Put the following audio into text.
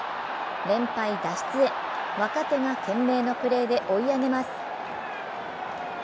連敗脱出へ、若手が懸命のプレーで追い上げます。